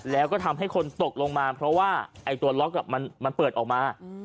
แล้วก็ทำให้คนตกลงมาเพราะว่าไอ้ตัวล็อกมันเปิดออกมา